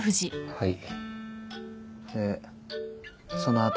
はい。